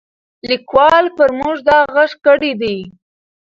لیکوال پر موږ دا غږ کړی دی.